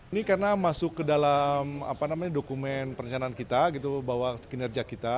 ini karena masuk ke dalam dokumen perencanaan kita gitu bahwa kinerja kita